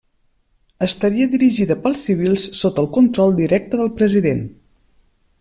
Estaria dirigida per civils sota el control directe del president.